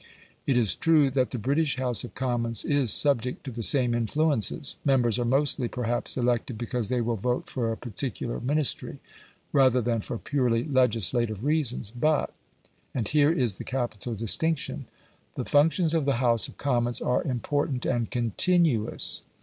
It is true that the British House of Commons is subject to the same influences. Members are mostly, perhaps, elected because they will vote for a particular Ministry, rather than for purely legislative reasons. But and here is the capital distinction the functions of the House of Commons are important and CONTINUOUS.